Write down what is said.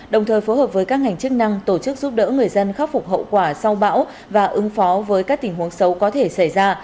đồng thời phối hợp với các ngành chức năng tổ chức giúp đỡ người dân khắc phục hậu quả sau bão và ứng phó với các tình huống xấu có thể xảy ra